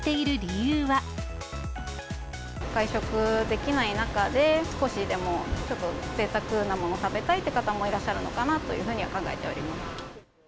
外食ができない中で、少しでもちょっとぜいたくなもの食べたいっていう方もいらっしゃるのかなというふうには考えています。